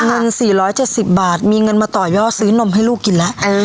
เงิน๔๗๐บาทมีเงินมาต่อยอดซื้อนมให้ลูกกินแล้ว